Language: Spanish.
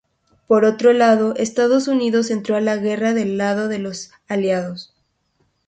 Por otro lado Estados Unidos entró en la guerra del lado de los aliados.